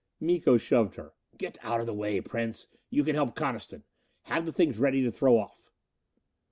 Miko shoved her. "Get out of the way, Prince. You can help Coniston. Have the things ready to throw off."